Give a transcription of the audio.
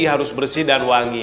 harus bersih dan wangi